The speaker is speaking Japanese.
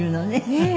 ええ。